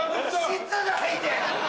室内で！